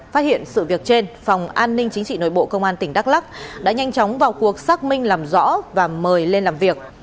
phát hiện sự việc trên phòng an ninh chính trị nội bộ công an tỉnh đắk lắc đã nhanh chóng vào cuộc xác minh làm rõ và mời lên làm việc